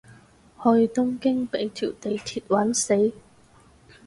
去東京畀條地鐵玩死